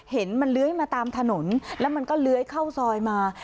เห็นมันเลื้อยมาตามถนนแล้วมันก็เลื้อยเข้าซอยมา